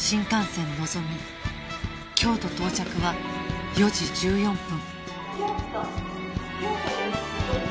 京都到着は４時１４分